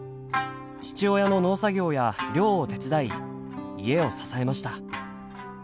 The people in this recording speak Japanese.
父親の農作業や漁を手伝い家を支えました。